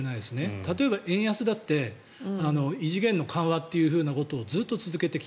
例えば円安だって異次元の緩和ということをずっと続けてきた。